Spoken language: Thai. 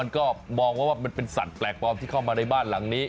ก็มองว่ามันเป็นสัตว์แปลกปลอมที่เข้ามาในบ้านหลังนี้